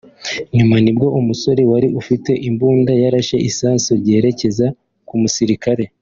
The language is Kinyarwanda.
nyuma nibwo umusore wari ufite imbunda yarashe isasu ryerekeza ku musirikare